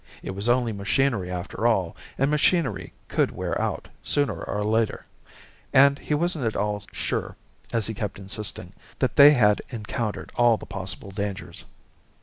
It was only machinery after all, and machinery could wear out, sooner or later. And he wasn't at all sure, as he kept insisting, that they had encountered all the possible dangers.